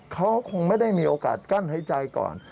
เขาคงไม่ได้มีโอกาสกั้นหายใจก่อน